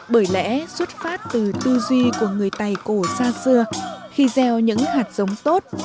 bởi lẽ xuất phát từ tư duy của người tài cổ xa xưa khi gieo những hạt giống tốt